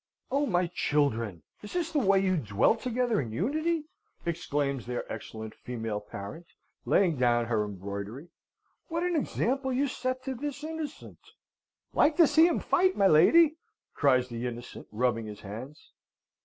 "Oh, my children! Is this the way you dwell together in unity?" exclaims their excellent female parent, laying down her embroidery. "What an example you set to this Innocent!" "Like to see 'em fight, my lady!" cries the Innocent, rubbing his hands.